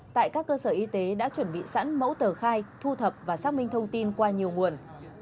tại các cơ sở y tế đã chuẩn bị sẵn mẫu tờ khai thu thập và xác minh thông tin qua nhiều nguồn